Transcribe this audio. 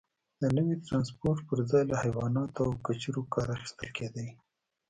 د نوي ټرانسپورت پرځای له حیواناتو او کچرو کار اخیستل کېده.